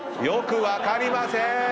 よく分かりませーん！